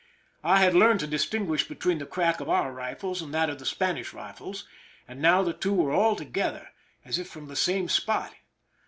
I had learned to distinguish between the crack of our rifles and that of the Spanish rifles, and now the two were all together, as if from the same spot.